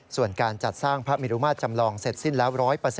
ส่วนการจัดสร้างพระเมรุมาตรจำลองเสร็จสิ้นแล้ว๑๐๐